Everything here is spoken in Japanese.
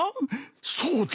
そうだ！